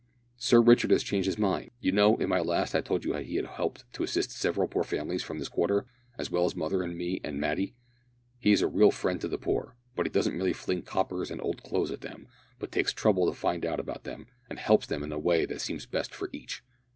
Sir Richard has changed his mind! You know, in my last, I told you he had helped to assist several poor families from this quarter as well as mother and me, and Matty. He is a real friend to the poor, for he doesn't merely fling coppers and old clothes at them, but takes trouble to find out about them, and helps them in the way that seems best for each.